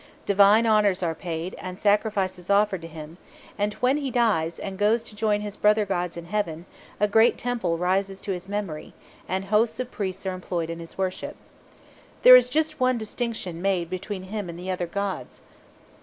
Divine honours are paid, and sacrifices offered to him; and when he dies, and goes to join his brother gods in heaven, a great temple rises to his memory, and hosts of priests are employed in his worship. There is just one distinction made between him and the other gods.